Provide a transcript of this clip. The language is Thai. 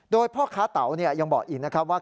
โดยพ่อค้าเต๋ายังบอกอีกนะครับว่า